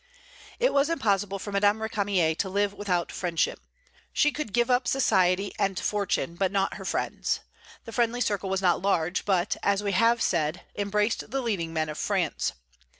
It was impossible for Madame Récamier to live without friendship. She could give up society and fortune, but not her friends. The friendly circle was not large, but, as we have said, embraced the leading men of France.